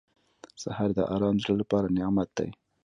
سهار د ارام زړه لپاره نعمت دی.